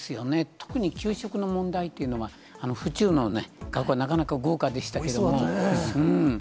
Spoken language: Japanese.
特に給食の問題というのは、府中の学校はなかなか豪華でしたおいしそうだったね。